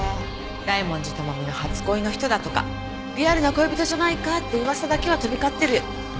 大文字智美の初恋の人だとかリアルな恋人じゃないかって噂だけは飛び交ってる。